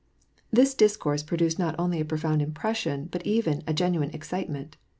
This discourse produced not only a profound impression, bat even a genuine excitement.